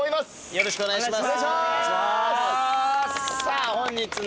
よろしくお願いします。